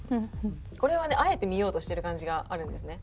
これはねあえて見ようとしてる感じがあるんですね。